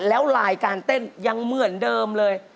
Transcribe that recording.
แล้วลายการเต้นยังเหมือนเดิมเลย